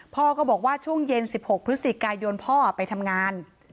พ่อก็บอกว่าช่วงเย็น๑๖พฤศจิกายนพ่อไปทำงาน